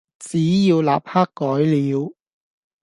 只要立刻改了，